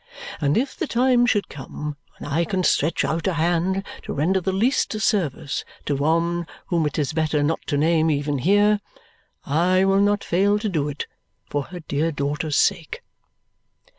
And if the time should come when I can stretch out a hand to render the least service to one whom it is better not to name even here, I will not fail to do it for her dear daughter's sake."